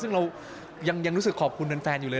ซึ่งเรายังรู้สึกขอบคุณแฟนอยู่เลย